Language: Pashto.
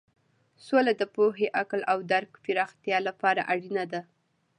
سوله د پوهې، عقل او درک پراختیا لپاره اړینه ده.